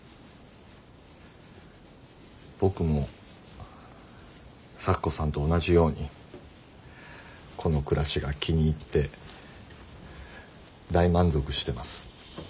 僕も咲子さんと同じようにこの暮らしが気に入って大満足してます。